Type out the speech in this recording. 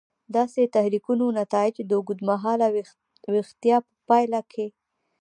داسې تحریکونو نتایج د اوږد مهاله ویښتیا په پایله کې.